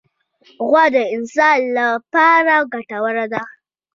غوا د انسان له پاره ګټوره ده.